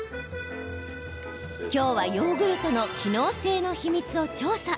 今日はヨーグルトの機能性の秘密を調査。